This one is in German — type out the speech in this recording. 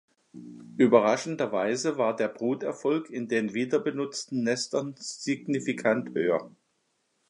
Überraschenderweise war der Bruterfolg in den wieder benutzten Nestern signifikant höher.